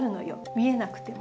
見えなくても。